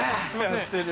やってる。